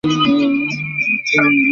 এই মহিলার নিকটেই বালক প্রথম সাহায্য পাইলেন।